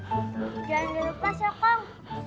jangan dirupas ya kong